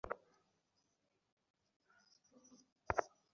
অথচ কেউ কারো খবর রাখে না।